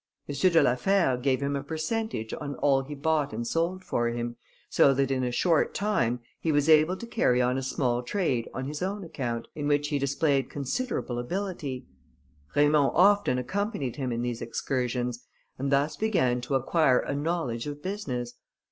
M. de la Fère gave him a per centage on all he bought and sold for him, so that in a short time he was able to carry on a small trade on his own account, in which he displayed considerable ability. Raymond often accompanied him in these excursions, and thus began to acquire a knowledge of business.